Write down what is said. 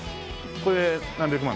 これ何百万？